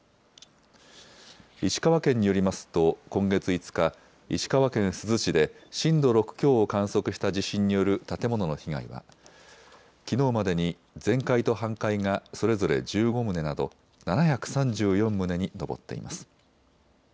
石川県によりますと今月５日、石川県珠洲市で震度６強を観測した地震による建物の被害がきのうまでに全壊と半壊がそれぞれ１５棟など７３４棟に上っています。